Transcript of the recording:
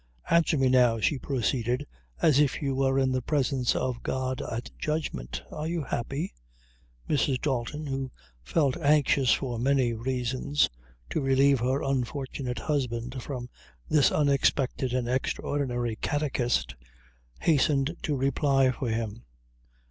"Answer me now," she proceeded, "as if you were in the presence of God at judgment, are you happy?" Mrs. Dalton, who felt anxious for many reasons, to relieve her unfortunate husband from this unexpected and extraordinary catechist, hastened to reply for him.